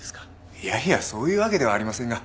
いやいやそういうわけではありませんが。